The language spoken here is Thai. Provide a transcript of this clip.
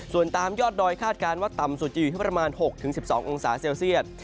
ส่วนตามยอดดอยคาดการณ์ว่าต่ำสุดจะอยู่ที่ประมาณ๖๑๒องศาเซลเซียต